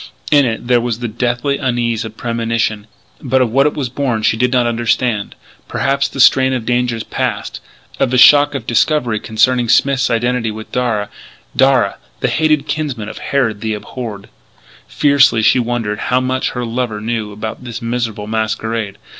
In it there was the deathly unease of premonition. But of what it was born she did not understand, perhaps of the strain of dangers passed of the shock of discovery concerning Smith's identity with Darragh Darragh! the hated kinsman of Harrod the abhorred. Fiercely she wondered how much her lover knew about this miserable masquerade.